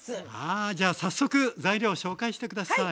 じゃあ早速材料を紹介して下さい。